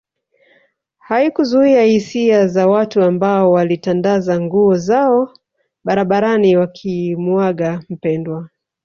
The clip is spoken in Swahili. Haikuzuia hisia za watu ambao walitandaza nguo zao barabarani wakimuaga mpendwa